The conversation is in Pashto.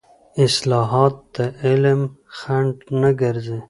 اصطلاحات د علم خنډ نه ګرځي.